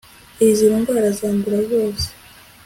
izindi ndwara zandura zose